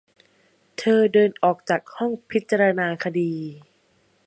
เธอเดินออกจากห้องพิจารณาคดี